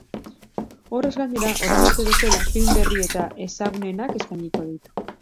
Horrez gainera, orain arte bezala, film berri eta ezagunenak eskainiko ditu.